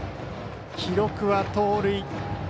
記録は盗塁。